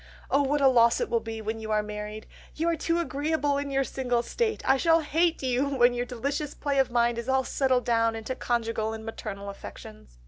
Oh what a loss it will be when you are married! You are too agreeable in your single state. I shall hate you when your delicious play of mind is all settled down into conjugal and maternal affections....